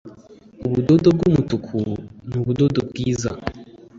ubudodo bw umutuku ni ubudodo bwiza